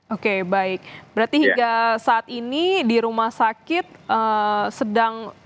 oke baik berarti hingga saat ini di rumah sakit sedang